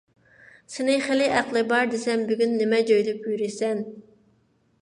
سېنى خېلى ئەقلى بار دېسەم، بۈگۈن نېمە جۆيلۈپ يۈرىسەن؟